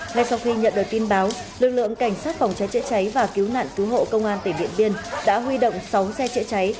ngay sau khi nhận được tin báo lực lượng cảnh sát phòng cháy chữa cháy và cứu nạn cứu hộ công an tỉnh điện biên đã huy động sáu xe chữa cháy